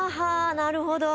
なるほど。